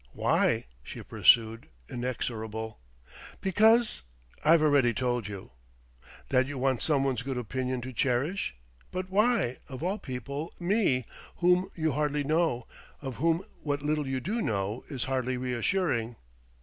"Why?" she pursued, inexorable. "Because ... I've already told you." "That you want someone's good opinion to cherish.... But why, of all people, me whom you hardly know, of whom what little you do know is hardly reassuring?"